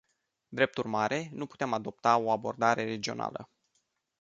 Drept urmare, nu puteam adopta o abordare regională.